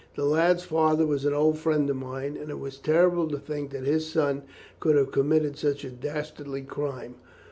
"The lad's father was an old friend of mine, and it was terrible to think that his son could have committed such a dastardly crime.